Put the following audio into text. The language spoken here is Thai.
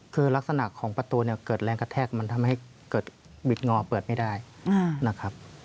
คือลักษณะของประตูเนี่ยเกิดแรงกระแทกมันทำให้เกิดบิดงอเปิดไม่ได้นะครับ